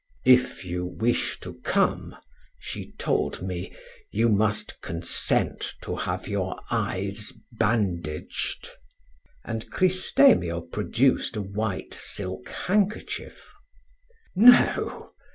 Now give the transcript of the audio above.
"If you wish to come, she told me, you must consent to have your eyes bandaged." And Cristemio produced a white silk handkerchief. "No!"